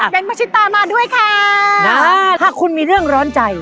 เป็นประชิตามาด้วยค่ะถ้าคุณมีเรื่องร้อนใจ